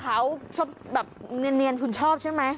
ชอบแบบเนียนคุณชอบใช่ไหม